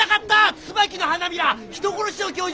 椿の花びら人殺しの凶状